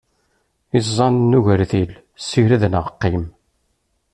Iẓẓan n ugertil, sired neɣ qqim!